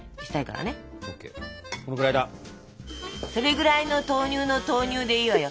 それぐらいの豆乳の投入でいいわよ。